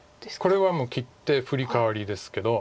これはもう切ってフリカワリですけど。